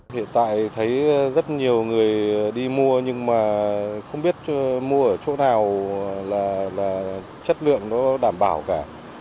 hiện tại thấy rất nhiều người đi mua nhưng mà không biết mua ở chỗ nào là chất lượng nó đảm bảo cả